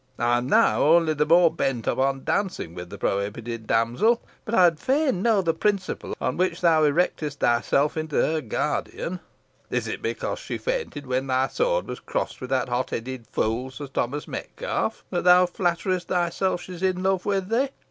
I am now only the more bent upon dancing with the prohibited damsel. But I would fain know the principle on which thou erectest thyself into her guardian. Is it because she fainted when thy sword was crossed with that hot headed fool, Sir Thomas Metcalfe, that thou flatterest thyself she is in love with thee?